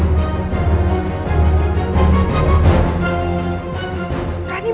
berani banget dia